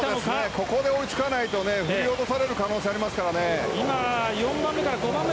ここで追いつかないと振り落とされる可能性ありますからね。